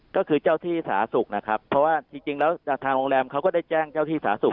ก็คือเจ้าที่สาธารณสุขนะครับเพราะว่าจริงแล้วทางโรงแรมเขาก็ได้แจ้งเจ้าที่สาธารณสุข